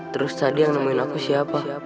terus tadi yang nemuin aku siapa